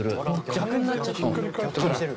逆になっちゃってる。